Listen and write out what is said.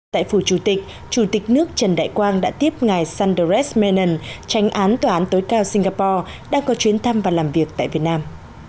tại phủ chủ tịch chủ tịch nước trần đại quang đã tiếp ngài sanders menan tránh án tòa án tối cao singapore đang có chuyến thăm và làm việc tại việt nam